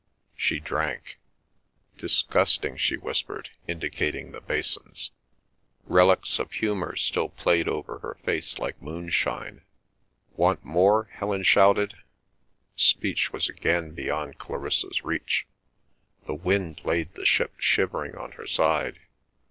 She drank. "Disgusting," she whispered, indicating the basins. Relics of humour still played over her face like moonshine. "Want more?" Helen shouted. Speech was again beyond Clarissa's reach. The wind laid the ship shivering on her side.